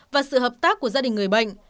và sự hợp tác của gia đình người bệnh